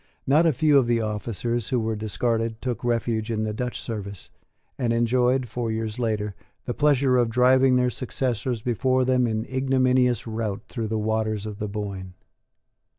Not a few of the officers who were discarded took refuge in the Dutch service, and enjoyed, four years later, the pleasure of driving their successors before them in ignominious rout through the waters of the Boyne.